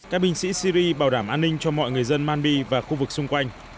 các binh sĩ syri bảo đảm an ninh cho mọi người dân manby và khu vực xung quanh